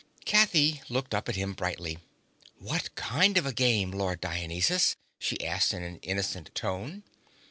Kathy looked up at him brightly. "What kind of game, Lord Dionysus?" she asked in an innocent tone.